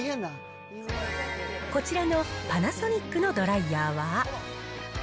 こちらのパナソニックのドライヤーは。